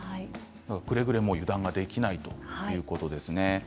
くれぐれも油断できないということですね。